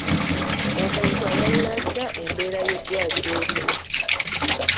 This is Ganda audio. Omuntu ayawula atya embeera y'eddwaliro erimu?